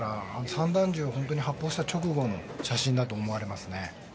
散弾銃を発砲した直後の写真だと思われます。